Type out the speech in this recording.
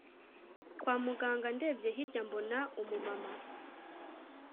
kwa muganga ndebye hirya mbona umumama